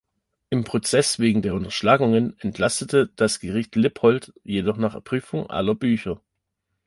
Im Prozess wegen der Unterschlagungen entlastete das Gericht Lippold jedoch nach Prüfung aller Bücher.